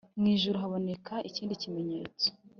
Mu ijuru haboneka ikindi kimenyetso,